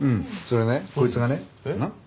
それねこいつがねなっ？